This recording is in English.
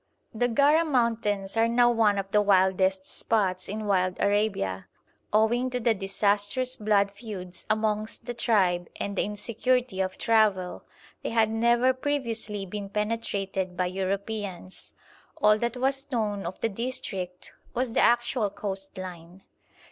The Gara mountains are now one of the wildest spots in wild Arabia; owing to the disastrous blood feuds amongst the tribe and the insecurity of travel, they had never previously been penetrated by Europeans: all that was known of the district was the actual coast line.